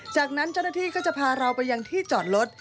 จากนั้นเจ้าหน้าที่ก็จะพาเราไปยังที่จอดรถ